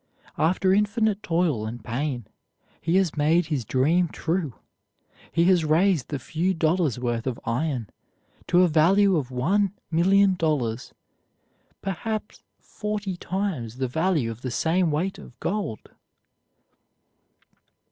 After infinite toil and pain, he has made his dream true; he has raised the few dollars' worth of iron to a value of one million dollars, perhaps forty times the value of the same weight of gold.